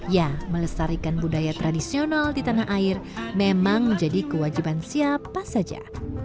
ya melestarikan budaya tradisional di tanah air memang menjadi kewajiban siapa saja